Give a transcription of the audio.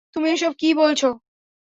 তুমি এসব কী বলছ।